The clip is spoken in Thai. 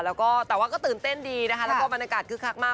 แล้วก็แต่ว่าก็ตื่นเต้นดีนะคะแล้วก็บรรยากาศคึกคักมาก